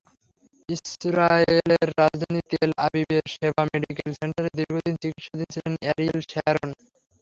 ইসরায়েলের রাজধানী তেল আবিবের শেবা মেডিকেল সেন্টারে দীর্ঘদিন চিকিৎসাধীন ছিলেন অ্যারিয়েল শ্যারন।